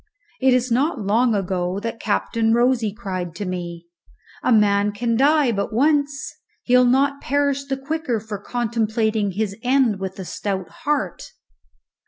It is not long ago that Captain Rosy cried to me, "_A man can die but once. He'll not perish the quicker for contemplating his end with a stout heart.